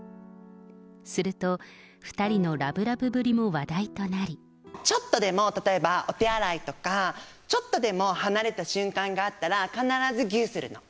すると、ちょっとでも例えば、お手洗いとか、ちょっとでも離れた瞬間があったら、必ずぎゅーするの。